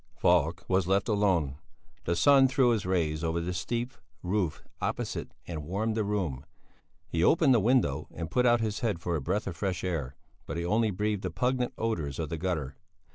Falk was left alone. The sun threw his rays over the steep roof opposite and warmed the room; he opened the window and put out his head for a breath of fresh air, but he only breathed the pungent odours of the gutter.